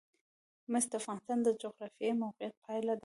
مس د افغانستان د جغرافیایي موقیعت پایله ده.